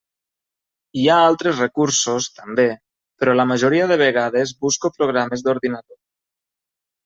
Hi ha altres recursos, també, però la majoria de vegades busco programes d'ordinador.